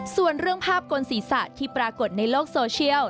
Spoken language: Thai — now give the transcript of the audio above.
ส่วนเรื่องภาพกลศีรษะที่ปรากฏในโลกโซเชียล